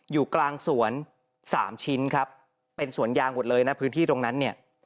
อยู่กลางสวนสามชิ้นครับเป็นสวนยางหมดเลยนะพื้นที่ตรงนั้นเนี่ย